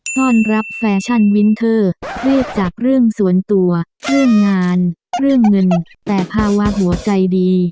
ต้อนรับแฟชั่นวินเทอร์รีบจากเรื่องส่วนตัวเรื่องงานเรื่องเงินแต่ภาวะหัวใจดี